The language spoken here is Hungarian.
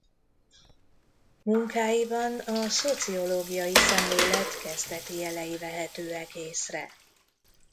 Munkáiban a szociológiai szemlélet kezdeti jelei vehetőek észre.